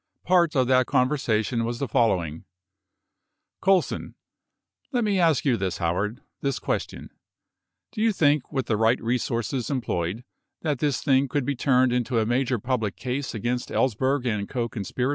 Part of that conversation was the following exchange : C. Let me ask you this, Howard, this question. Do you think with the right resources employed that this thing could be turned into a major public case against Ellsberg and co conspirators